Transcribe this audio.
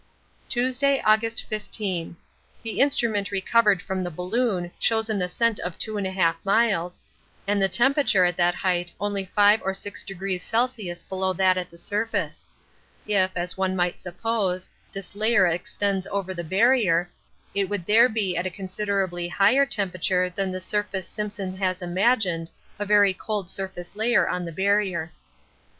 Tuesday, August 15. The instrument recovered from the balloon shows an ascent of 2 1/2 miles, and the temperature at that height only 5° or 6° C. below that at the surface. If, as one must suppose, this layer extends over the Barrier, it would there be at a considerably higher temperature than the surface Simpson has imagined a very cold surface layer on the Barrier.